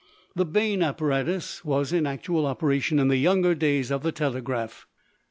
The Bain apparatus was in actual operation in the younger days of the telegraph.